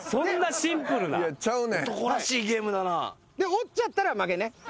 折っちゃったら負けね。